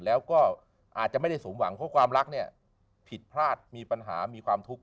แล้วก็อาจจะไม่ได้สมหวังเพราะความรักเนี่ยผิดพลาดมีปัญหามีความทุกข์